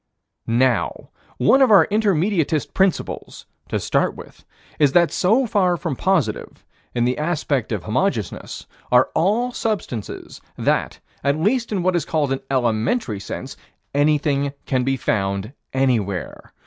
Now, one of our Intermediatist principles, to start with, is that so far from positive, in the aspect of Homogeneousness, are all substances, that, at least in what is called an elementary sense, anything can be found anywhere.